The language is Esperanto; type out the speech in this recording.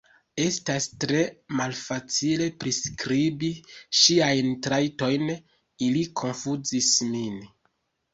Estas tre malfacile priskribi ŝiajn trajtojn, ili konfuzis min.